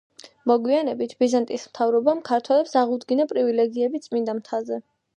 მოგვიანებით, ბიზანტიის მთავრობამ ქართველებს აღუდგინა პრივილეგიები წმინდა მთაზე.